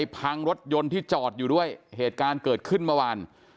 พังรถยนต์ที่จอดอยู่ด้วยเหตุการณ์เกิดขึ้นเมื่อวาน